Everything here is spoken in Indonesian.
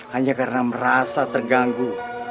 hanya karena merasa terganggu dan mereka merasa sudah sukses